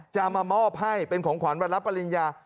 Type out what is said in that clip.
จะมามอบให้เป็นของขวัญวันรับปริญญา